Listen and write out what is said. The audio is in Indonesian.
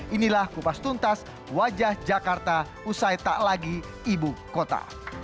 inilah kupas tuntas wajah jakarta usai tak lagi ibu kota